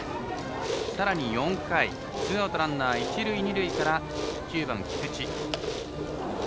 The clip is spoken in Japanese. さらに、４回ツーアウトランナー、一塁二塁から９番、菊池。